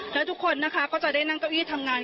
และทุกคนนะคะก็จะได้นั่งเก้าอี้ทำงาน